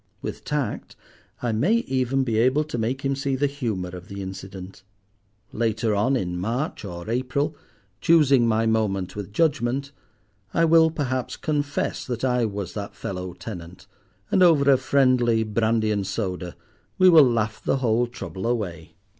With tact I may even be able to make him see the humour of the incident. Later on, in March or April, choosing my moment with judgment, I will, perhaps, confess that I was that fellow tenant, and over a friendly brandy and soda we will laugh the whole trouble away."